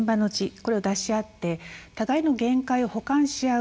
これを出し合って、互いの限界を補完し合う。